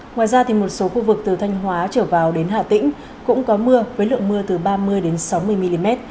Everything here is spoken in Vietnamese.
ngoài ra một số khu vực từ thanh hóa trở vào đến hà tĩnh cũng có mưa với lượng mưa từ ba mươi sáu mươi mm